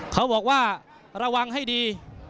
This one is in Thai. เขาบอกว่าระวังให้ดี